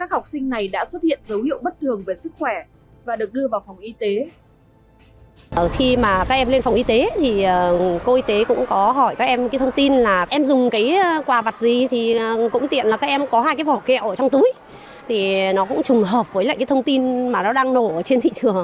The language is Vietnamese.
hiện dấu hiệu bất thường về sức khỏe và được đưa vào phòng y tế